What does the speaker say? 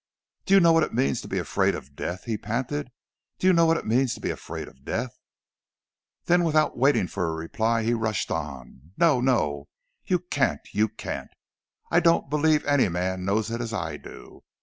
"Do you know what it means to be afraid of death?" he panted. "Do you know what it means to be afraid of death?" Then, without waiting for a reply, he rushed on—"No, no! You can't! you can't! I don't believe any man knows it as I do!